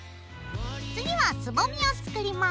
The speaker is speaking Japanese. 次はつぼみを作ります。